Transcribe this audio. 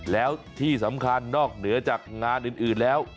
แล้วที่สำคัญนอกเหนือจากงานอื่นแล้ว